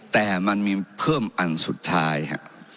แต่มันมีเพิ่มอันสุดท้ายฮะ